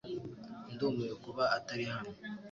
Ndumiwe kuba atari hano .